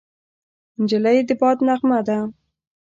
نجلۍ د باد نغمه ده.